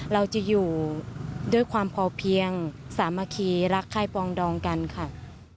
เราจะอยู่ด้วยความพอเพียงสามัคคีรักไข้ปองดองกันค่ะ